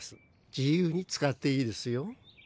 自由に使っていいですよ。